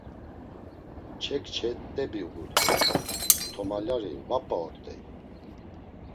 Kçe kçe t̆ebi uğurt̆ey, tomalyari va p̌a ort̆ey.